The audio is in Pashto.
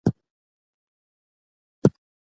مخکې له دې چې ناوخته شي.